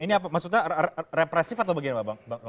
ini apa maksudnya represif atau bagaimana pak